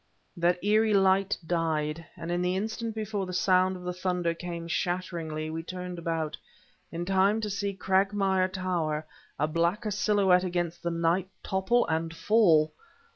That eerie light died, and in the instant before the sound of the thunder came shatteringly, we turned about... in time to see Cragmire Tower, a blacker silhouette against the night, topple and fall!